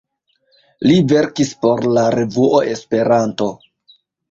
Li verkis por la "revuo Esperanto".